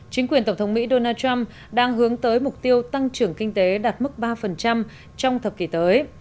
chính quyền tổng thống mỹ donald trump đang hướng tới mục tiêu tăng trưởng kinh tế đạt mức ba trong thập kỷ tới